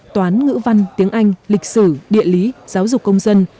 toán ngữ văn tiếng anh lịch sử địa lý giáo dục công dân